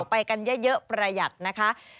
ไปกันเยอะประหยัดนะคะ